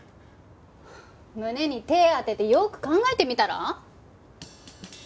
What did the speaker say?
胸に手ぇ当ててよく考えてみたら？